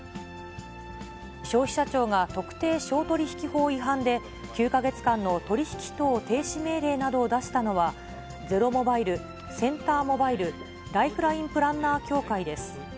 消費者庁が特定商取引法違反で、９か月間の取引等停止命令などを出したのは、ゼロモバイル、センターモバイル、ライフラインプランナー協会です。